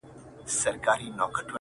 دا هوښیاري نه غواړم- عقل ناباب راکه-